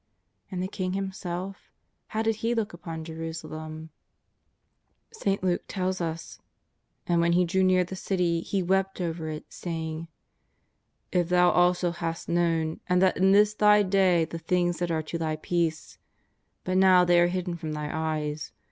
And the King Himself — how did He look upon Jerusalem ? St. Luke tells us: "And when He drew near the City He wept over it, saying: " If thou also hadst known and that in this thy day the things that are to thy peace ! but now they are hidden from thy eyes.